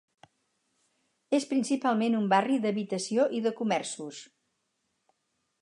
És principalment un barri d'habitació i de comerços.